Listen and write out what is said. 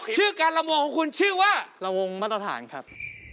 ชื่อการละมวงของคุณชื่อว่าระวงมาตรฐานครับ